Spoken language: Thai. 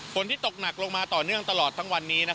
ที่ตกหนักลงมาต่อเนื่องตลอดทั้งวันนี้